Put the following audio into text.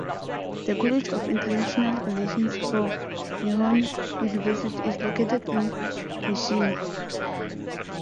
The College of International Relations for Nihon University is located in Mishima.